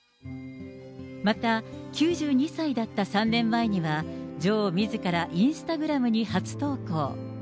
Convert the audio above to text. また、９２歳だった３年前には、女王みずからインスタグラムに初投稿。